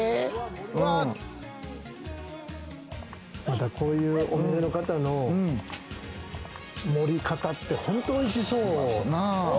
また、こういうお店の方の盛り方って本当に美味しそう！